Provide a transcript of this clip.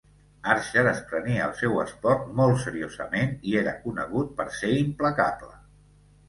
Archer es prenia el seu esport molt seriosament i era conegut per ser implacable.